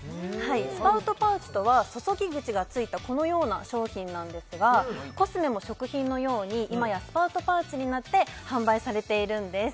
スパウトパウチとは注ぎ口がついたこのような商品なんですがコスメも食品のように今やスパウトパウチになって販売されているんです